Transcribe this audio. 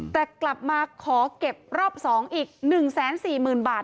แต่กลับมาขอเก็บรอบ๒อีก๑๔๐๐๐บาท